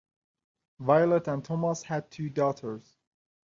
Violet and Thomas had two daughters.